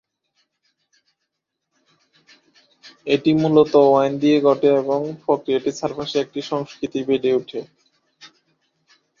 এটি মূলত ওয়াইন দিয়ে ঘটে এবং প্রক্রিয়াটির চারপাশে একটি সংস্কৃতি বেড়ে ওঠে।